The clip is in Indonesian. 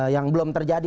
yang belum terjadi